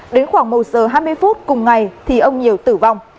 đến khoảng một giờ hai mươi phút cùng ngày thì ông nhiều tử vong